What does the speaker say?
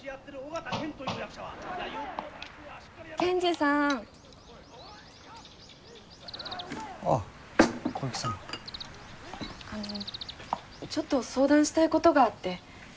あのちょっと相談したいことがあって。